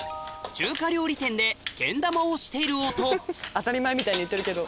当たり前みたいに言ってるけど。